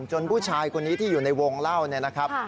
จนผู้ชายคนนี้ที่อยู่ในวงเหล้านะครับ